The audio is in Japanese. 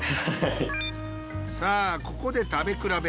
さあここで食べ比べ。